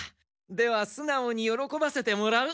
ではすなおに喜ばせてもらう。